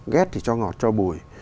ghét thì cho ngọt cho bùi